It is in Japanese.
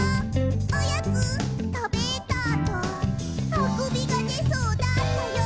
「おやつ、たべたあとあくびがでそうだったよ」